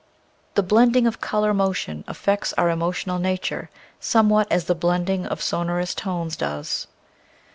The blending of color motion affects our emotional nature somewhat as the blending of sonorous tones does.